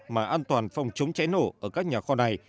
mà an toàn phòng chống cháy nổ ở các nhà kho này